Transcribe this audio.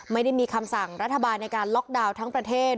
ไม่ได้มีคำสั่งรัฐบาลในการล็อกดาวน์ทั้งประเทศ